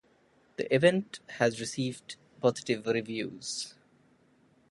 The event has received positive reviews.